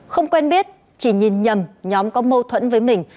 không quen biết chỉ nhìn nhầm nhóm có mâu thuẫn với mình